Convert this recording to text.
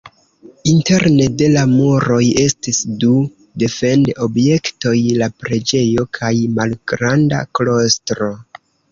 Interne de la muroj estis du defend-objektoj: la preĝejo kaj malgranda klostro.